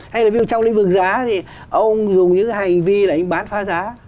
hay là ví dụ trong lĩnh vực giá thì ông dùng những hành vi là anh bán pha giá